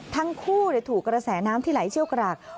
ทั้งคู่ถูกกระแสน้ำที่ไหลเชี่ยวกราก